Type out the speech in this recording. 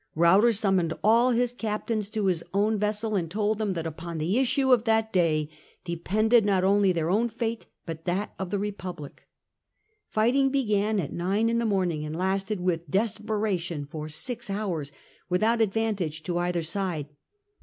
Ruyter summoned all his captains to his own vessel, and told them that upon the issue of that day depended not only their own fate but that Battle of the Republic. Fighting began at nine in June 4. the morning and lasted with desperation for six hours, without advantage to either side.